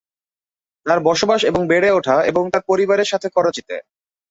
তার বসবাস এবং বেড়ে ওঠা এবং তার পরিবারের সাথে করাচিতে।